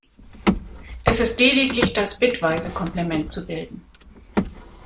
Es ist lediglich das bitweise Komplement zu bilden.